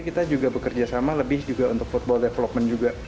kita juga bekerja sama lebih juga untuk football development juga